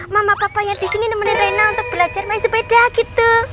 mama papanya di sini nemenin rena untuk belajar main sepeda gitu